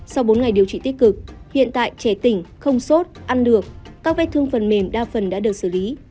sau bốn ngày điều trị tích cực hiện tại trẻ tỉnh không sốt ăn được các vết thương phần mềm đa phần đã được xử lý